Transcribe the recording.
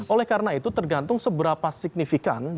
oleh karena itu tergantung seberapa signifikan